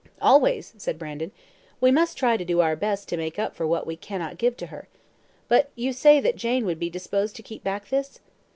"Always," said Brandon. "We must try to do our best to make up for what we cannot give to her. But you say that Jane would be disposed to keep back this?"